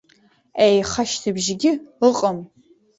Еиха шьҭыбжьгьы ыҟам.